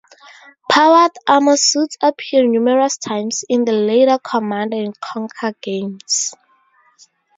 Powered armor suits appear numerous times in the later "Command and Conquer" games.